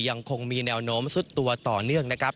ยังคงมีแนวโน้มซุดตัวต่อเนื่อง